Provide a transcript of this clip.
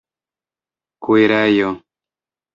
kuirejo